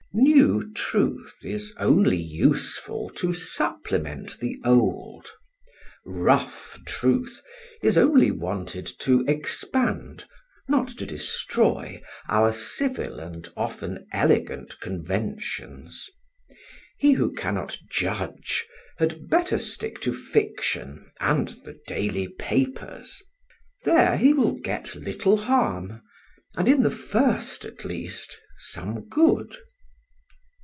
New truth is only useful to supplement the old; rough truth is only wanted to expand, not to destroy, our civil and often elegant conventions. He who cannot judge had better stick to fiction and the daily papers. There he will get little harm, and, in the first at least, some good.